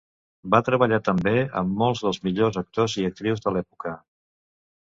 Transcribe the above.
Va treballar també amb molts dels millors actors i actrius de l'època.